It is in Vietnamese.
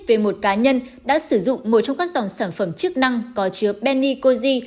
về một cá nhân đã sử dụng một trong các dòng sản phẩm chức năng có chứa benicoji